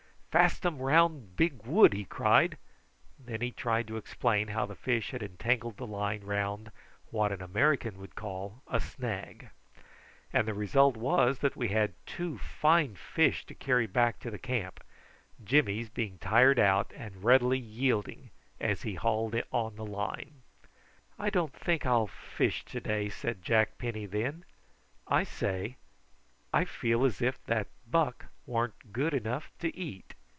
"Fastum round big wood!" he cried; and then he tried to explain how the fish had entangled the line round what an American would call a snag; and the result was that we had two fine fish to carry back to the camp, Jimmy's being tired out and readily yielding as he hauled on the line. "I don't think I'll fish to day," said Jack Penny then. "I say, I feel as if that buck warn't good enough to eat."